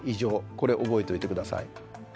これ覚えといて下さい。